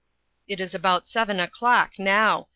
It is about seven o'clock now.